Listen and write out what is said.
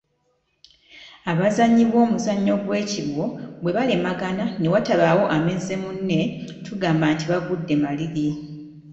Abazannyi b’omuzannyo gw’ekigwo bwe balemagana ne wataba amezze munne, tugamba nti bagudde maliri.